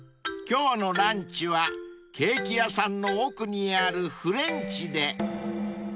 ［今日のランチはケーキ屋さんの奥にあるフレンチで］